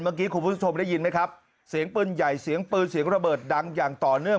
เมื่อกี้คุณผู้ชมได้ยินไหมครับเสียงปืนใหญ่เสียงปืนเสียงระเบิดดังอย่างต่อเนื่อง